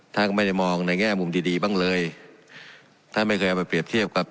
ท่านก็ไม่ได้มองในแง่มุมดีดีบ้างเลยท่านไม่เคยเอาไปเปรียบเทียบกับ